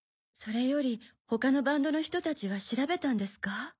それより他のバンドの人たちは調べたんですか？